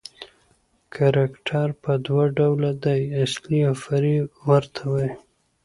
کرکټر په دوه ډوله دئ، اصلي اوفرعي ورته وايي.